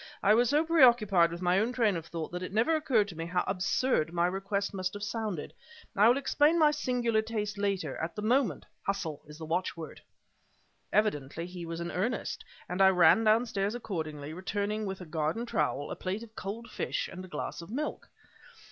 "I was so preoccupied with my own train of thought that it never occurred to me how absurd my request must have sounded. I will explain my singular tastes later; at the moment, hustle is the watchword." Evidently he was in earnest, and I ran downstairs accordingly, returning with a garden trowel, a plate of cold fish and a glass of milk.